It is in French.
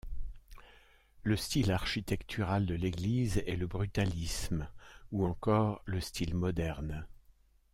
Le style architectural de l'église est le brutalisme, ou encore, le style moderne.